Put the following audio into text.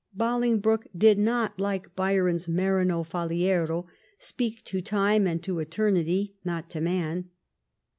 Bolingbroke did not, like Byron's Marino Faliero, 'Speak to time and to eternity — not to man.'